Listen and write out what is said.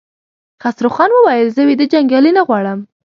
خسروخان وويل: زه ويده جنګيالي نه غواړم!